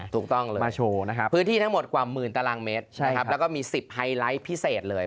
ถูกต้องเลยมาโชว์นะครับพื้นที่ทั้งหมดกว่าหมื่นตารางเมตรนะครับแล้วก็มี๑๐ไฮไลท์พิเศษเลย